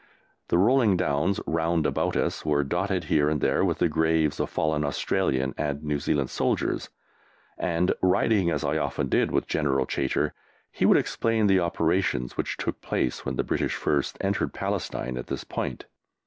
The rolling downs round about us were dotted here and there with the graves of fallen Australian and New Zealand soldiers, and, riding as I often did with General Chaytor, he would explain the operations which took place when the British first entered Palestine at this point.